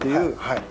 はい。